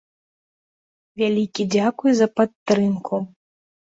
Вялікі дзякуй за падтрымку!